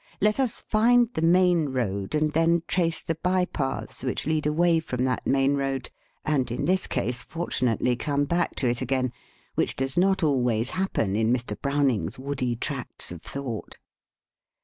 Let us find the main road and then trace the by paths which lead away from that main road, and in this case fortunately come back to it again which does not always happen in Mr. Browning's " woody tracts of thought."